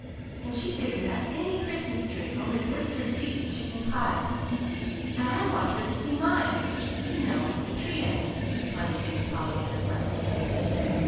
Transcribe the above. And she didn't have any Christmas tree only blistered feet and chicken pie; and I want her to see mine, you know the tree, I mean," plunged on Pollyanna, breathlessly.